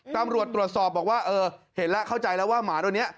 ตำรวจตรวจสอบบอกว่าเออเห็นแล้วเข้าใจแล้วว่าหมาตัวนี้